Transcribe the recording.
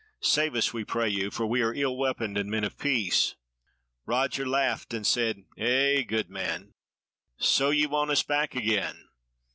Save us, we pray you, for we are ill weaponed and men of peace." Roger laughed, and said: "Eh, good man! So ye want us back again?